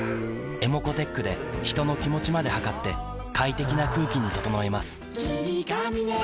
ｅｍｏｃｏーｔｅｃｈで人の気持ちまで測って快適な空気に整えます